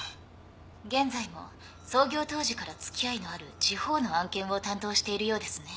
現在も創業当時から付き合いのある地方の案件を担当しているようですね。